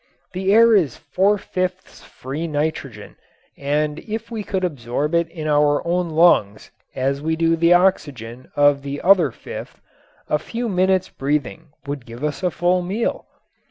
The air is four fifths free nitrogen and if we could absorb it in our lungs as we do the oxygen of the other fifth a few minutes breathing would give us a full meal.